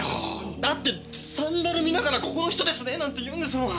だってサンダル見ながらここの人ですね？なんて言うんですもん。